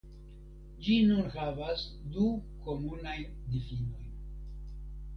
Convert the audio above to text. Ĝi nun havas du komunajn difinojn.